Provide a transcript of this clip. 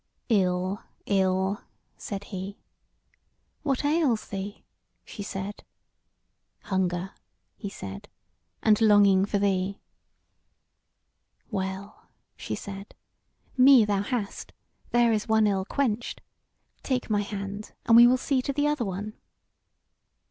"Ill, ill," said he. "What ails thee?" she said. "Hunger," he said, "and longing for thee." "Well," she said, "me thou hast; there is one ill quenched; take my hand, and we will see to the other one."